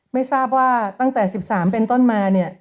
ไม่ทราบว่าตั้งแต่๑๓เป็นต้นมาเนี่ย